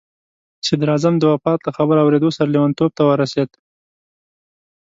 صدراعظم د وفات له خبر اورېدو سره لیونتوب ته ورسېد.